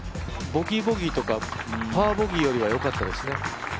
ボギー、ボギーとかパー、ボギーよりはよかったです